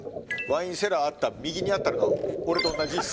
ワインセラーあった右にあったのが。